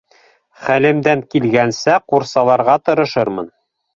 Хәлемдән килгәнсе ҡурсаларға тырышырмын.